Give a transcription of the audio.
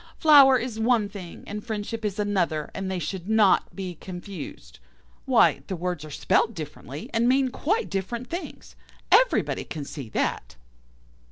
Flour is one thing, and friendship is another, and they should not be confused. Why, the words are spelt differently, and mean quite different things. Everybody can see that.